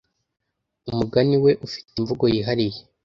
umugani we ufite imvugo yihariye